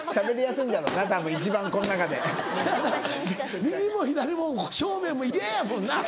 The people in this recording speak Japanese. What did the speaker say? せやな右も左も正面もイヤやもんな。